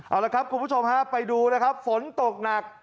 เอาละครับคุณผู้ชมฮะไปดูนะครับฝนตกหนัก